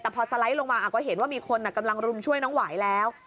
แต่พอสไลด์ลงมาก็เห็นว่ามีคนกำลังรุมช่วยน้องหวายแล้ว